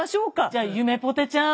じゃあゆめぽてちゃん